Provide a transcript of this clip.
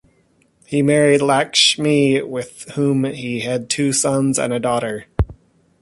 He married Lakshmi, with whom he had two sons and a daughter.